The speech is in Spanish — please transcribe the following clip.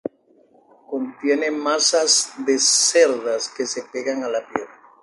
Contiene masas de cerdas que se pegan a la piel.